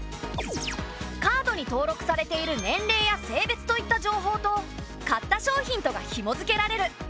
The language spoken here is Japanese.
カードに登録されている年れいや性別といった情報と買った商品とがひも付けられる。